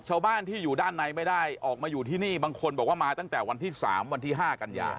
ชาวบ้านที่อยู่ด้านในไม่ได้ออกมาอยู่ที่นี่บางคนบอกว่ามาตั้งแต่วันที่๓วันที่๕กันยา